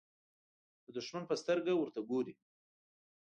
د دښمن په سترګه ورته ګوري.